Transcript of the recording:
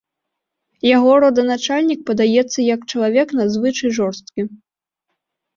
Яго роданачальнік падаецца як чалавек надзвычай жорсткі.